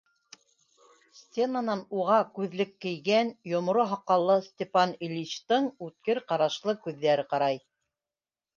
Стенанан уға күҙлек кейгән, йоморо һаҡаллы Степан Ильичтың үткер ҡарашлы күҙҙәре ҡарай.